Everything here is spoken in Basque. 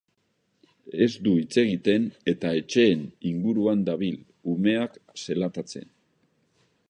Ez du hitz egiten eta etxeen inguruan dabil, umeak zelatatzen.